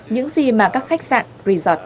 những gì mà các khách sạn resort